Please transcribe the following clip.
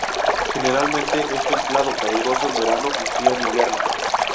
Generalmente es templado, caluroso en verano y frío en invierno.